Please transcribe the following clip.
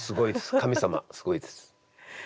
神様すごいです。